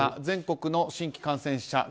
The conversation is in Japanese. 全国の新規感染者